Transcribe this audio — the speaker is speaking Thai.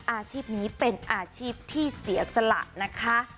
อาชีพนี้เป็นอาชีพที่เสียสละนะคะ